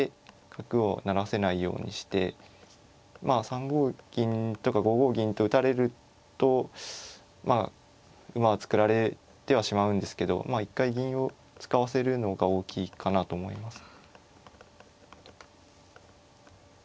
角を成らせないようにして３五銀とか５五銀と打たれるとまあ馬は作られてはしまうんですけどまあ一回銀を使わせるのが大きいかなと思います。